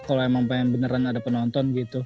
kalau emang pengen beneran ada penonton gitu